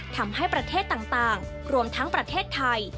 ทำให้ประเทศต่างรวมทั้งประเทศไทย